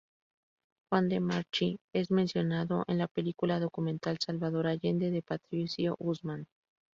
Juan De Marchi es mencionado en la película documental "Salvador Allende" de Patricio Guzmán